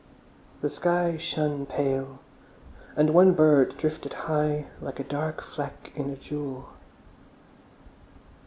The sky shone pale, and one bird drifted high like a dark fleck in a jewel.